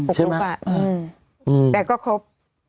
ปุ๊กลุ๊กอ่ะแต่ก็ครบ